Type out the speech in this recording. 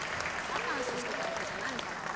バカンスしてたわけじゃないから。